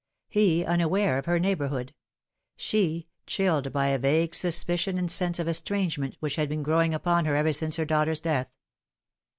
He, unaware of her neighbourhood ; she, chilled by a vague suspicion and sense of estrangement which had been growing upon her ever since her daughter's death.